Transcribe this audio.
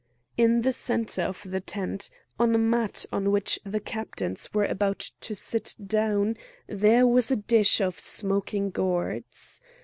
In the centre of the tent, on a mat on which the captains were about to sit down, there was a dish of smoking gourds.